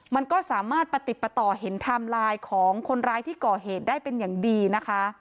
มันก็สามารถประติดประต่อเห็นไทม์ไลน์ของคนร้ายที่ก่อเหตุได้เป็นอย่างดีนะคะ